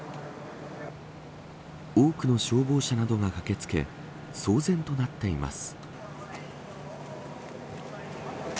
多くの消防車などが駆け付け騒然となっています。